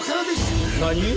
何！？